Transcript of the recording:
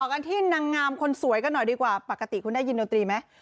กันที่นางงามคนสวยกันหน่อยดีกว่าปกติคุณได้ยินดนตรีไหม